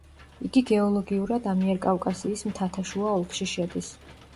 იგი გეოლოგიურად ამიერკავკასიის მთათაშუა ოლქში შედის.